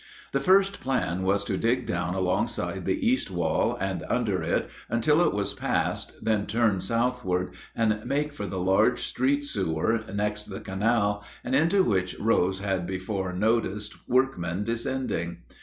The first plan was to dig down alongside the east wall and under it until it was passed, then turn southward and make for the large street sewer next the canal and into which Rose had before noticed workmen descending.